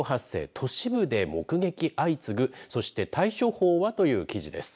都市部で目撃相次ぐ、そして対処法はという記事です。